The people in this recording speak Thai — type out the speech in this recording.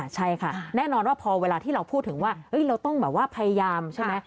ใช่ค่ะแน่นอนว่าพอเวลาที่เราพูดถึงว่าเราต้องแบบว่าพยายามใช่ไหม